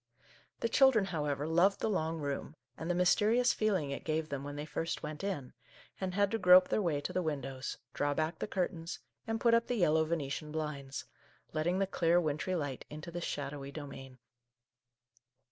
The children, however, loved the long room, and the mys terious feeling it gave them when they first went in, and had to grope their way to the windows, draw back the curtains, and put up the yellow Venetian blinds, letting the clear, wintry light into this shadowy domain.